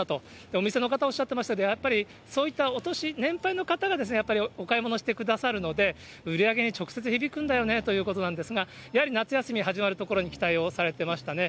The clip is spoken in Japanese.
お店の方おっしゃってましたけど、やっぱりそういったお年、年配の方がやっぱりお買い物してくださるので、売り上げに直接響くんだよねということなんですが、やはり夏休み始まるところに期待をされてましたね。